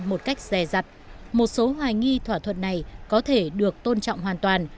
một số hoài nghi thỏa thuận này có thể được tôn trọng hoàn toàn